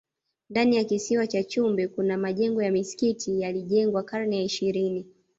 ndani ya kisiwa cha chumbe kuna majengo ya msikiti yalijengwa karne ya ishirini